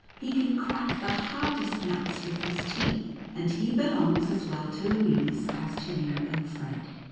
" He can crack the hardest nuts with his teeth, and he belongs as well to Louise as to you and Fred."